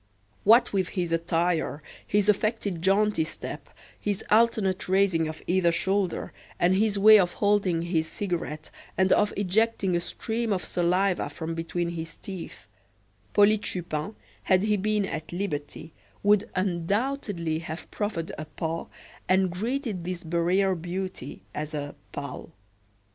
What with his attire, his affected jaunty step, his alternate raising of either shoulder, and his way of holding his cigarette and of ejecting a stream of saliva from between his teeth, Polyte Chupin, had he been at liberty, would undoubtedly have proffered a paw, and greeted this barriere beauty as a "pal."